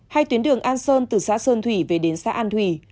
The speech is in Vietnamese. hay tuyến đường an sơn từ xã sơn thủy về đến xã an thủy